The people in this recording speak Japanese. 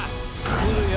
来るよ